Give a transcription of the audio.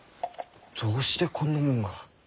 どうしてこんなもんが。